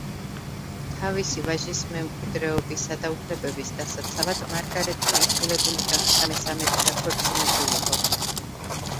თავისი ვაჟის მემკვიდრეობისა და უფლებების დასაცავად მარგარეტი იძულებული გახდა მესამედ დაქორწინებულიყო.